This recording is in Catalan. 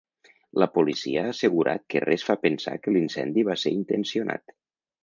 La policia ha assegurat que res fa pensar que l’incendi va ser intencionat.